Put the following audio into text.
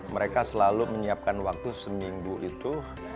mereka selalu menyiapkan waktu seminggu itu